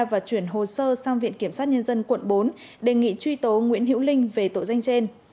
và chuyển hồ sơ sang viện kiểm sát nhân dân quận bốn đề nghị truy tố nguyễn hữu linh về tội danh trên